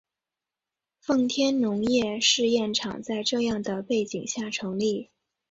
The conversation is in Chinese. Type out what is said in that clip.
奉天农业试验场在这样的背景下成立。